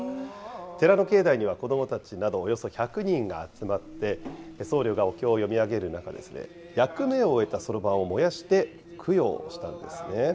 寺の境内には子どもたちなどおよそ１００人が集まって、僧侶がお経を読み上げる中、役目を終えたそろばんを燃やして供養したんですね。